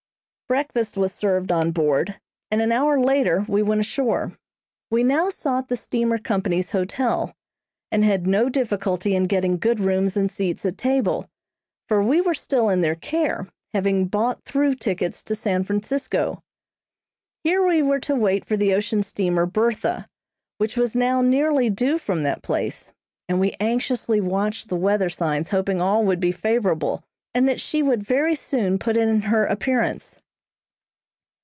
Breakfast was served on board, and an hour later we went ashore. We now sought the steamer company's hotel, and had no difficulty in getting good rooms and seats at table; for we were still in their care, having bought through tickets to San Francisco. Here we were to wait for the ocean steamer "Bertha," which was now nearly due from that place, and we anxiously watched the weather signs hoping all would be favorable, and that she would very soon put in her appearance.